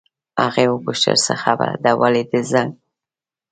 هغې وپوښتل: څه خبره ده، ولې دې زنګ وواهه؟